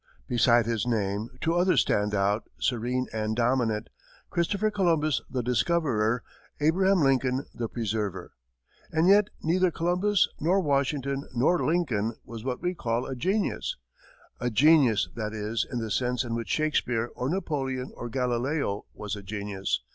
Beside his name, two others stand out, serene and dominant: Christopher Columbus, the discoverer; Abraham Lincoln, the preserver. And yet, neither Columbus, nor Washington, nor Lincoln was what we call a genius a genius, that is, in the sense in which Shakespeare or Napoleon or Galileo was a genius.